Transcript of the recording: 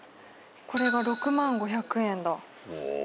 これが６０５００円だ